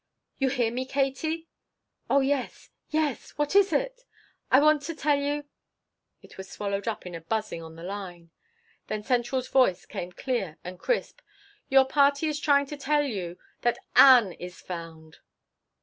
"You hear me, Katie?" "Oh yes yes what is it?" "I want to tell you " It was swallowed up in a buzzing on the line. Then central's voice came clear and crisp. "Your party is trying to tell you that Ann is found."